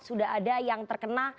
sudah ada yang terkena